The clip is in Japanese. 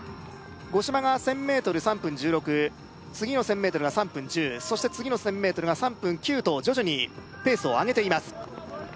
五島が１０００ｍ３分１６次の１０００ｍが３分１０そして次の１０００ｍが３分９と徐々にペースを上げています